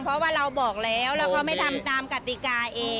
เพราะว่าเราบอกแล้วแล้วเขาไม่ทำตามกติกาเอง